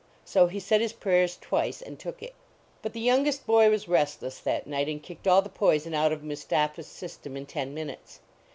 So he said his prayers twice, and took it. But the youngest boy was restless that night and kicked all the poison out of Musta pha s system in ten minutes.